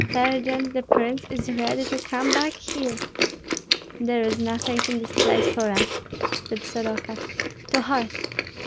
Sergeant, the prince is ready to come back here." "There is nothing in this place for us," said Soroka. "To horse!"